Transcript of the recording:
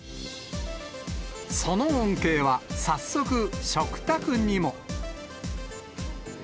その恩恵は、早速食卓にも。